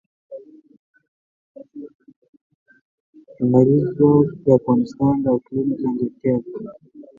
لمریز ځواک د افغانستان د اقلیم ځانګړتیا ده.